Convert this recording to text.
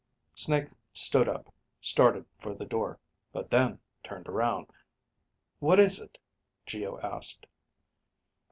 Snake stood up, started for the door, but then turned around. "What is it?" Geo asked.